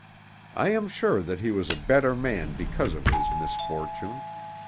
I am sure that he was a better man because of his misfortune.